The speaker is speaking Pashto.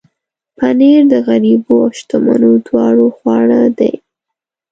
پنېر د غریبو او شتمنو دواړو خواړه دي.